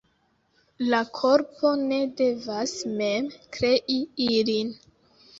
La korpo ne devas mem krei ilin.